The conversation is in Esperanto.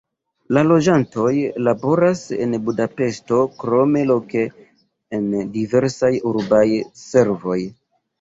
La loĝantoj laboras en Budapeŝto, krome loke en diversaj urbaj servoj.